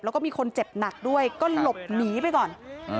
แล้วก็มีคนเจ็บหนักด้วยก็หลบหนีไปก่อน